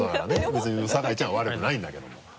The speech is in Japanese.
別に酒井ちゃんは悪くないんだけども。